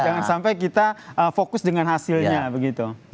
jangan sampai kita fokus dengan hasilnya begitu